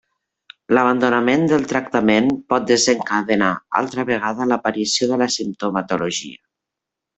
L'abandonament del tractament pot desencadenar, altra vegada, l'aparició de la simptomatologia.